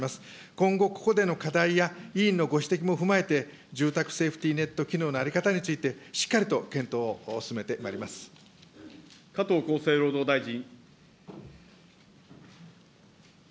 今後、ここでの課題や委員のご指摘も踏まえて、住宅セーフティーネット機能の在り方について、しっかりと検討を加藤厚生労働大臣。